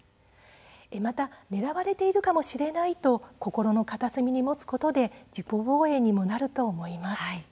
また狙われているかもしれないと心の片隅に持つことで自己防衛にもなると思います。